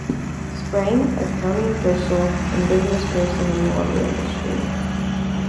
Sprang, a county official and businessperson in the lumber industry.